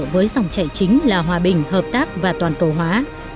với dòng chạy chính là hòa bình hợp tác và toàn cầu hóa